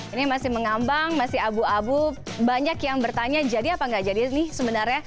ini masih mengambang masih abu abu banyak yang bertanya jadi apa nggak jadi nih sebenarnya